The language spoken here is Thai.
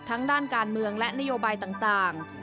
ด้านการเมืองและนโยบายต่าง